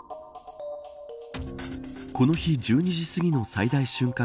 この日１２時すぎの最大瞬間